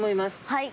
はい。